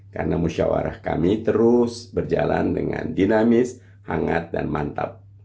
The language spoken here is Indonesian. karena musyawarah kami terus berjalan dengan dinamis hangat dan mantap